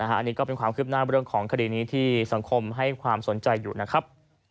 อันนี้ก็เป็นความคืบหน้าเรื่องของคดีนี้ที่สังคมให้ความสนใจอยู่นะครับ